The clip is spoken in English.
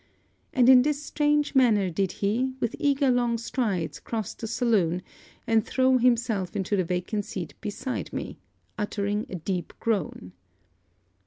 And in this strange manner did he, with eager long strides, cross the saloon, and throw himself into the vacant seat beside me, uttering a deep groan.